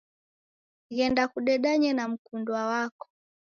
Ghenda kudedanye na mkundwa wako.